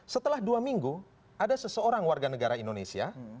setelah dua minggu ada seseorang warga negara indonesia